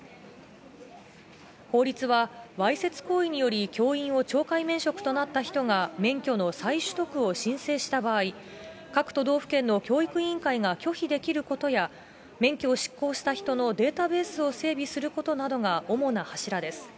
法律はわいせつ行為により教員を懲戒免職となった人が、免許の再取得を申請した場合、各都道府県の教育委員会が拒否できることや、免許を失効した人のデータベースを整備することなどが主な柱です。